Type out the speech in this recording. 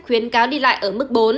khuyến cáo đi lại ở mức bốn